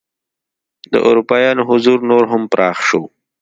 د اروپایانو حضور نور هم پراخ شو.